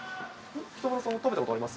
北村さんは食べたことあります？